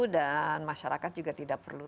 dan masyarakat juga tidak perlu